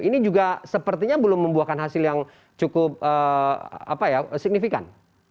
ini juga sepertinya belum membuahkan hasil yang cukup signifikan